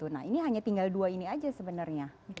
nah ini hanya tinggal dua ini aja sebenarnya